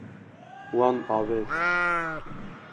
Wan avêt.